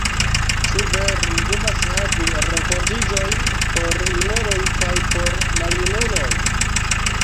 Ĉu vere ni devas havi renkontiĝojn por junuloj kaj por maljunuloj?